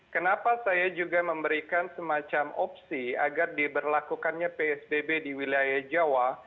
kenapa saya juga memberikan semacam opsi agar diberlakukannya psbb di wilayah jawa